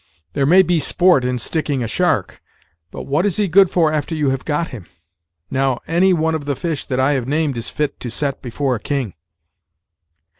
There may he sport in sticking a shark, but what is he good for after you have got him? Now, any one of the fish that I have named is fit to set before a king."